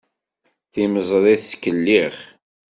Timeẓri tettkellix.